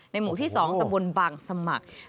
หมู่ที่๒ตะบนบางสมัคร